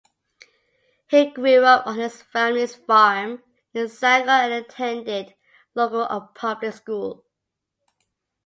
He grew up on his family's farm near Sanger and attended local public schools.